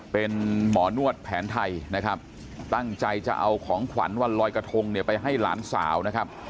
เป็นหมอนวดแผนไทยนะครับตั้งใจจะเอาของขวัญวันลอยกระทงเนี่ยไปให้หลานสาวนะครับ